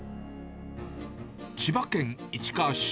千葉県市川市。